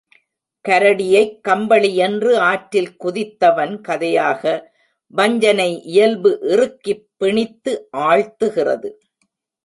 கரடியைக் கம்பளியென்று ஆற்றில் குதித்தவன் கதையாக வஞ்சனை இயல்பு இறுக்கிப் பிணித்து ஆழ்த்துகிறது.